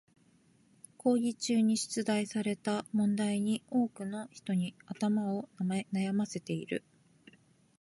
講義中に出題された問題に多くの人に頭を悩ませている。